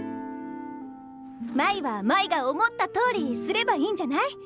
舞は舞が思ったとおりすればいいんじゃない？